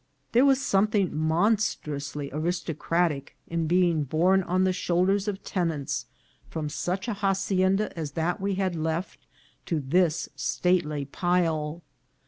There was something mon atrously aristocratic in being borne on the shoulders of tenants from such a hacienda as that we had left to this stately pile.